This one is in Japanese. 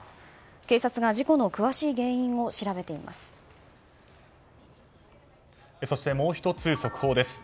警察が事故の詳しい原因をそしてもう１つ速報です。